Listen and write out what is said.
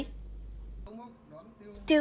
tiêu thứ năm triệu